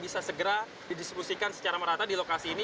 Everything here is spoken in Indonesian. bisa segera didiskusikan secara merata di lokasi ini